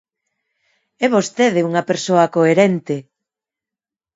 ¡É vostede unha persoa coherente!